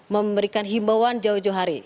memberikan himbauan jauh jauh hari